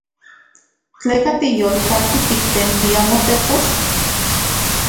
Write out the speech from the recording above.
¿Tleka tiyolpaki tiktentia motepos?